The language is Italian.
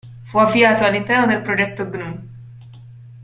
Fu avviato all'interno del progetto GNU.